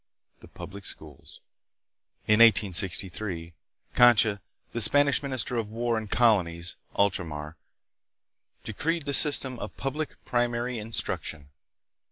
The Public Schools. In 1863, Concha, the Spanish minister of war and colonies (Ultramar), decreed the system of public primary instruction.